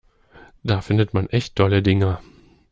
Da findet man echt dolle Dinger.